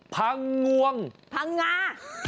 พังงวงพังงา